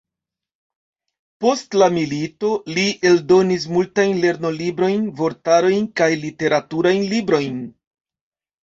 Post la milito li eldonis multajn lernolibrojn, vortarojn kaj literaturajn librojn.